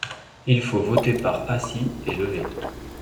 Il faut voter par assis et levé.